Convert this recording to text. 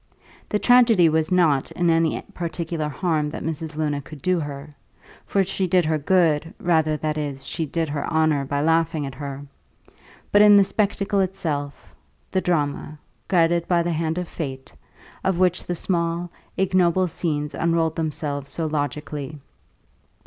The tragedy was not in any particular harm that Mrs. Luna could do her (for she did her good, rather, that is, she did her honour by laughing at her), but in the spectacle itself, the drama, guided by the hand of fate, of which the small, ignoble scenes unrolled themselves so logically.